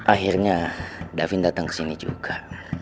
akhirnya davin datang kesini juga